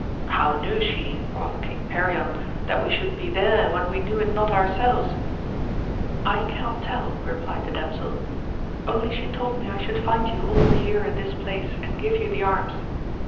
How knew she, quoth KiDg Perion, that we should be there when we knew it not ourselves ; I cannot tell, replied the dam sel, only she told me I should find you all here in this place, and give you the arms.